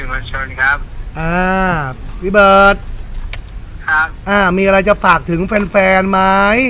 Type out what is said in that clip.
ครับอ่ามีอะไรจะฝากถึงแฟนแฟนไหม